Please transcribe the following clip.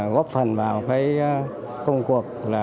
góp phần vào công cuộc